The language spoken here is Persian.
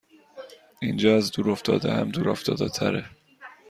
اینجااز دور افتاده هم دور افتاده تره